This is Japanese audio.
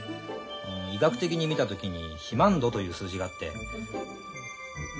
医学的に見た時に肥満度という数字があって。